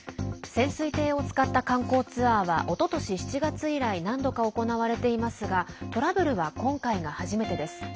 潜水艇を使った観光ツアーはおととし７月以来何度か行われていますがトラブルは今回が初めてです。